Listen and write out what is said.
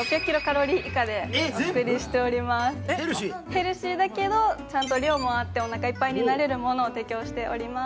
ヘルシーだけど、ちゃんと量もあって、おなかいっぱいになれるものを提供しております。